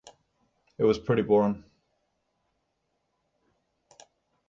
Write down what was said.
It was pretty boring.